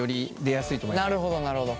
なるほどなるほど！